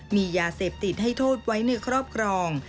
มียาเสพติดให้โทษไว้ในครอบครอง